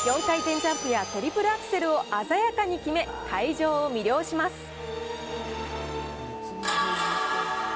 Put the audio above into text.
４回転ジャンプやトリプルアクセルを鮮やかに決め、会場を魅了します。